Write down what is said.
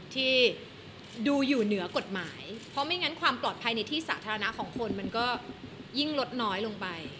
ที่ดูอยู่เหนือกฎหมายเพราะไม่งั้นความปลอดภัยในที่สาธารณะของคนมันก็ยิ่งลดน้อยลงไป